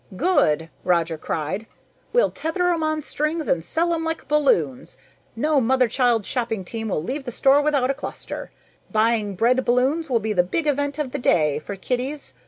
"Good!" Roger cried. "We'll tether 'em on strings and sell 'em like balloons. No mother child shopping team will leave the store without a cluster. Buying bread balloons will be the big event of the day for kiddies.